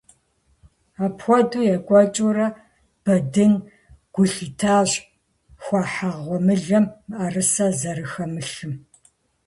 Апхуэдэу екӀуэкӀыурэ, Бэдын гу лъитащ хуахьа гъуэмылэм мыӀэрысэ зэрыхэмылъым.